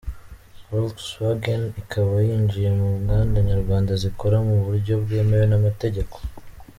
Volkswagen ikaba yinjiye mu nganda nyarwanda zikora mu buryo bwemewe n’amategeko.